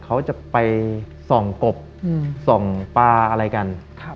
เขาจะไปส่องกบส่องปลาอะไรกัน